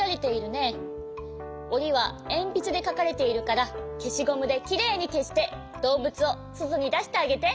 おりはえんぴつでかかれているからけしゴムできれいにけしてどうぶつをそとにだしてあげて。